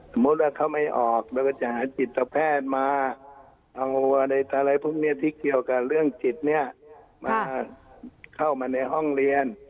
สมมุติว่าเขาไม่ออกแล้วก็จะหาจิตแพทย์มาเอาอะไรพวกนี้ที่เกี่ยวกับเรื่องจิตเนี่ยมาเข้ามาในห้องเรียน